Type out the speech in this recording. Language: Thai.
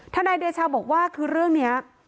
นายเดชาบอกว่าคือเรื่องนี้